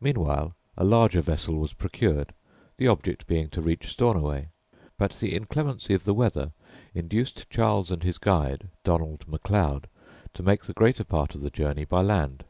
Meanwhile, a larger vessel was procured, the object being to reach Stornoway; but the inclemency of the weather induced Charles and his guide Donald Macleod to make the greater part of the journey by land.